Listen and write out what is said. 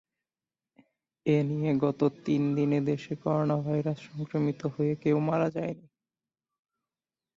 এ নিয়ে গত তিন দিনে দেশে করোনাভাইরাস সংক্রমিত হয়ে কেউ মারা যাননি।